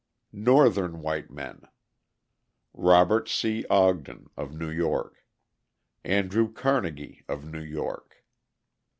Northern white men: Robert C. Ogden, of New York. Andrew Carnegie, of New York.